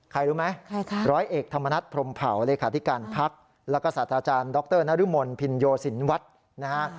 ใครรู้ไหมร้อยเอกธรรมนัฐพรมเผาเลขาธิการพักษ์แล้วก็สัตว์อาจารย์ดรนรมนศ์พิญโยศินวัตน์